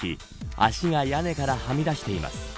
足が屋根からはみ出しています。